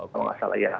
kalau nggak salah ya